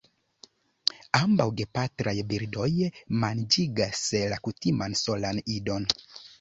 Ambaŭ gepatraj birdoj manĝigas la kutiman solan idon.